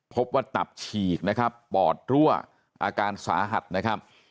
พบว่าตับฉีกนะครับปอดรั่วอาการสาหัสนะครับ